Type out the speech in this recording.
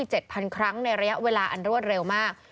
เจ็ดพันครั้งในระยะเวลาอันรวดเร็วมาก